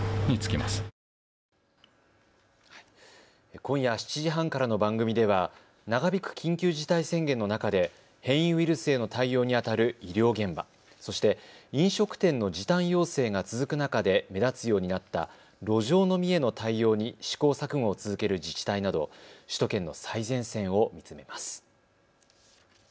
今夜７時半からの番組では長引く緊急事態宣言の中で変異ウイルスへの対応にあたる医療現場、そして飲食店の時短要請が続く中で目立つようになった路上飲みへの対応に試行錯誤を続ける自治体など首都圏の最前線を見つめます。